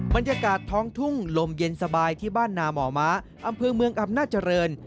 บรรยากาศท้องทุ่งลมเย็นสบายที่บ้านนาหมอม้าอำเภอเมืองอำนาจริง